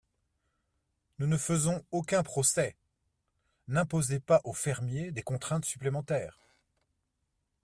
Nous ne faisons aucun procès ! N’imposez pas au fermier des contraintes supplémentaires.